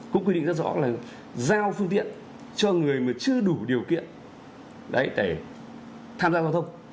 cũng quy định rất rõ là giao phương tiện cho người mà chưa đủ điều kiện để tham gia giao thông